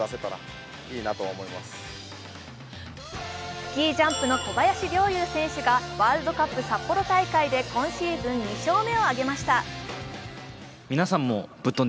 スキージャンプの小林陵侑選手がワールドカップ札幌大会で今シーズン２勝目を挙げました。